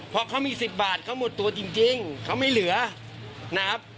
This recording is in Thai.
เพราะเขามี๑๐บาทเขาหมดตัวจริงเขาไม่เหลือนะครับ